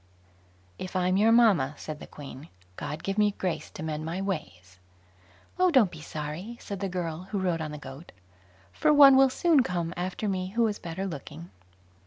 "If I'm your mamma", said the Queen, "God give me grace to mend my ways." "Oh, don't be sorry", said the girl, who rode on the goat, "for one will soon come after me who is better looking."